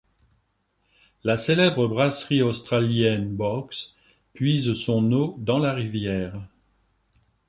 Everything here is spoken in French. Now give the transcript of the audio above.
Le célèbre brasserie australienne Boags puise son eau dans la rivière.